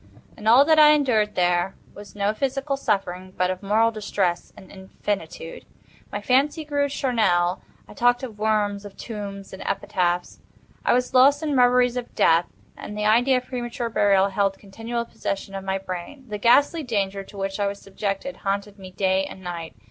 In all that I endured there was no physical suffering but of moral distress an infinitude. My fancy grew charnel, I talked "of worms, of tombs, and epitaphs." I was lost in reveries of death, and the idea of premature burial held continual possession of my brain. The ghastly Danger to which I was subjected haunted me day and night.